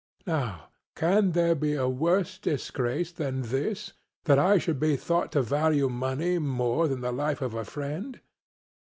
Now, can there be a worse disgrace than this that I should be thought to value money more than the life of a friend?